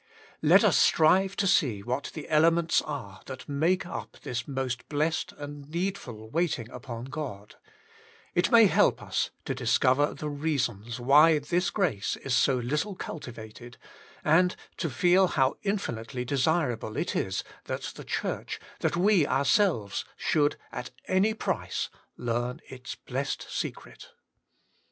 Let us strive to see what the ele ments are that make up this most blessed and needful waiting upon God : it may help us to discover the reasons why this grace is so little cultivated, and to feel how infinitely desirable it is that the Church, that we ourselves, should at any price learn its blessed secret.